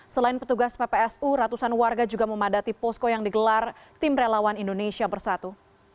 selain petugas ppsu ratusan warga juga memadati posko yang digelar tim relawan indonesia bersatu